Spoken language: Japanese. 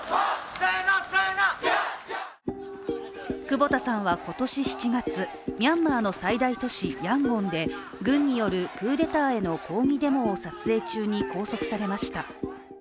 久保田さんは今年７月、ミャンマーの最大都市ヤンゴンで軍によるクーデターへの抗議デモを撮影中に拘束されました。